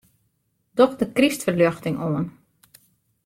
Doch de krystferljochting oan.